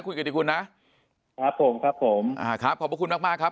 คุณกิติคุณนะครับผมครับผมอ่าครับขอบพระคุณมากมากครับ